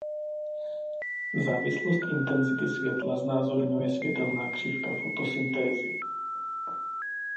Závislost intenzity světla znázorňuje světelná křivka fotosyntézy.